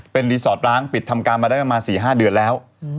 เป็นรีสอร์ทร้างปิดทำการมาได้ประมาณ๔๕เดือนแล้ว